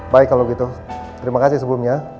baik kalau gitu terima kasih sebelumnya